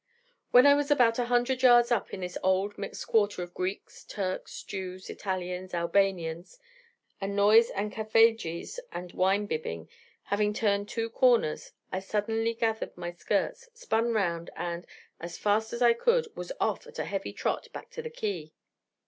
When I was about a hundred yards up in this old mixed quarter of Greeks, Turks, Jews, Italians, Albanians, and noise and cafedjis and wine bibbing, having turned two corners, I suddenly gathered my skirts, spun round, and, as fast as I could, was off at a heavy trot back to the quay.